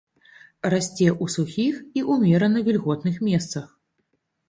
Расце ў сухіх і ўмерана вільготных месцах.